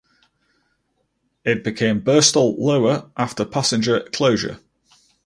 It became Birstall Lower after passenger closure.